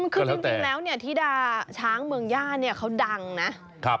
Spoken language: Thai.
คือจริงแล้วที่ด่าช้างเมืองญาติเขาดังนะ